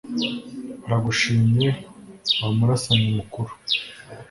aragushimye wa murasanyi mukuru,